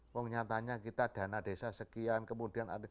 menyatanya kita dana desa sekian kemudian